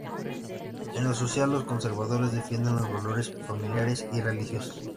En lo social, los conservadores defienden valores familiares y religiosos.